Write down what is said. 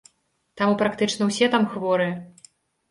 Таму практычна ўсе там хворыя.